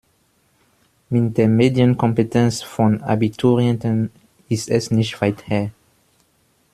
Mit der Medienkompetenz von Abiturienten ist es nicht weit her.